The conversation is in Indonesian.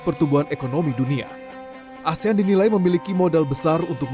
pertumbuhan ekonomi asean melemah dari lima tujuh persen di tahun dua ribu dua puluh dua